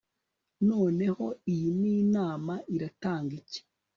Noneho iyi ni nama iratanga iki